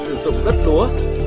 sử dụng đất đúa